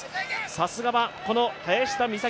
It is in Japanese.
さすがは、この林田美咲。